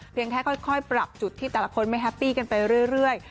แค่ค่อยปรับจุดที่แต่ละคนไม่แฮปปี้กันไปเรื่อย